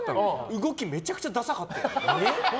動きめちゃくちゃダサかったよ。